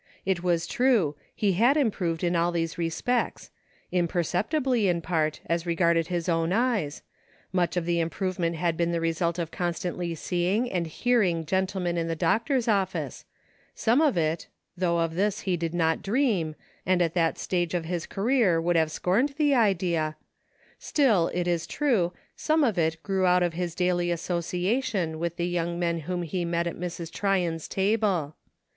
It was true, he had improved in all these respects ; imperceptibly in part, as regarded his own eyes ; much of the improvement had been the result of constantly seeing and hearing gentle men in the doctor's office; some of it — though of this he did not dream, and at that stage of his career would have scorned the idea — still it is true, some of it grew out of his daily association with the young men whom he met at Mrs. Tryon's table.